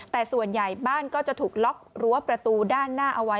แต่ส่วนใหญ่บ้านก็จะถูกล็อกรั้วประตูด้านหน้าเอาไว้